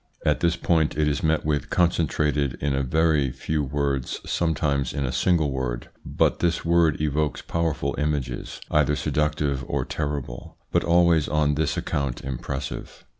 At this point it is met with concentrated in a very few words, some times in a single word, but this word evokes powerful images, either seductive or terrible, but always on this account impressive.